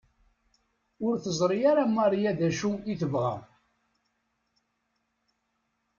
Ur teẓri ara Maria d acu i tebɣa.